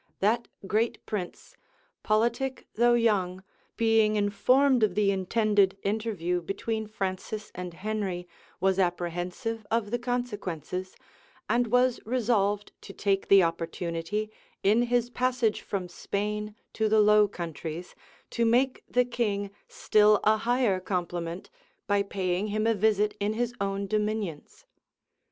That great prince, politic though young, being informed of the intended interview between Francis and Henry, was apprehensive of the consequences; and was resolved to take the opportunity, in his passage from Spain to the Low Countries, to make the king still a higher compliment, by paying him a visit in his own dominions.